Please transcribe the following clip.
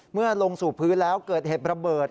เมื่อลงสู่พื้นแล้วเกิดเหตุระเบิด